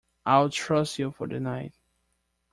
I’ll trust you for the night.